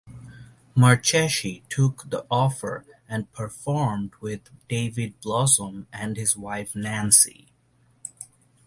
Marcheschi took the offer and performed with David Blossom and his wife Nancy.